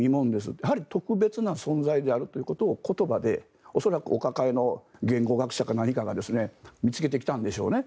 やはり特別な存在であるということを言葉で恐らくお抱えの言語学者か何かが見つけてきたんでしょうね。